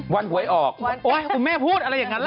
วันหวยออกคุณแม่พูดอะไรอย่างนั้นล่ะ